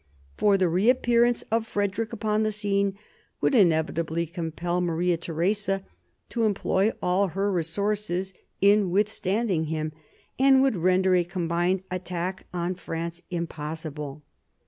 For the reappearance of Frederick upon the scene would inevitably compel Maria Theresa to employ all her resources in with standing him, and would render a combined attack on France impossible.